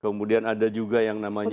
kemudian ada juga yang namanya